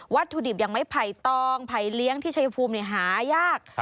ถุดิบอย่างไม้ไผ่ตองไผ่เลี้ยงที่ชายภูมิหายาก